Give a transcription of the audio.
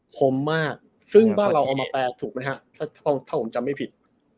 คมมากซึ่งบ้านเราเอามาแปลถูกไหมฮะถ้าผมจำไม่ผิด